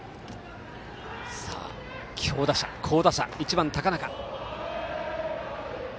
強打者、好打者１番の高中。